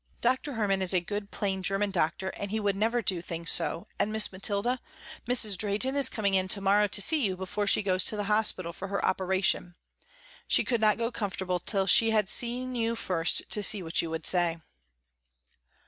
Doctor Herman is a good, plain, german doctor and he would never do things so, and Miss Mathilda, Mrs. Drehten is coming in to morrow to see you before she goes to the hospital for her operation. She could not go comfortable till she had seen you first to see what you would say."